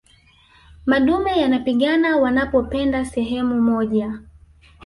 madume yanapigana wanapopenda sehemu moja